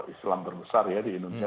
islam terbesar ya di indonesia